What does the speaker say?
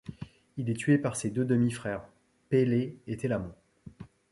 Il est tué par ses deux demi-frères, Pélée et Télamon.